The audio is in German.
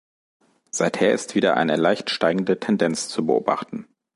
Seither ist wieder eine leicht steigende Tendenz zu beobachten.